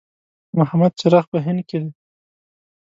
محمد چراغ په هند کې دی.